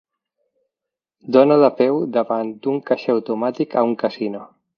Dona de peu davant d'un caixer automàtic a un casino